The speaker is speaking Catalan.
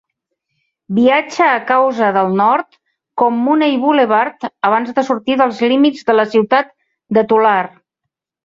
Viatja a causa del Nord com Mooney Boulevard abans de sortir dels límits de la ciutat de Tulare.